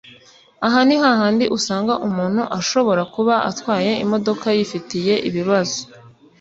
Aha ni hahandi usanga umuntu ashobora kuba atwaye imodoka yifitiye ibibazo